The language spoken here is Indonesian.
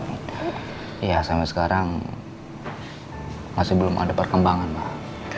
iya sampai sekarang masih belum ada perkembangan pak